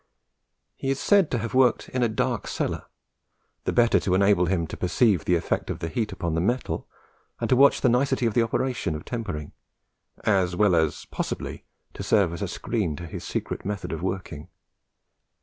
He is said to have worked in a dark cellar, the better to enable him to perceive the effect of the heat upon the metal, and to watch the nicety of the operation of tempering, as well as possibly to serve as a screen to his secret method of working.